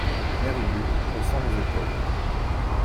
Mère Ubu , haussant les épaules.